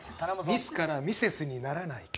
ミスからミセスにならないか？